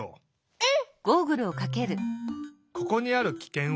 うん。